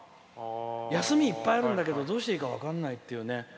休みいっぱいあるんだけどどうしていいか分かんないっていうね。